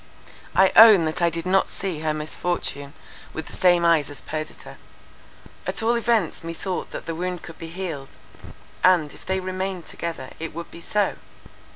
I own that I did not see her misfortune with the same eyes as Perdita. At all events methought that the wound could be healed; and, if they remained together, it would be so.